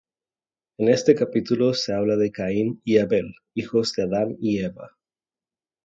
En este capítulo se habla de Caín y Abel, hijos de Adán y Eva.